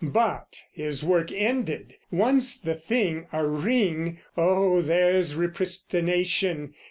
But his work ended, once the thing a ring, Oh, there's repristination!